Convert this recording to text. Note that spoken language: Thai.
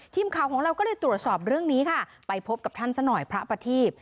ทีมข่าวของเราก็เลยตรวจสอบเรื่องนี้ค่ะไปพบกับท่านซะหน่อยพระประทีพ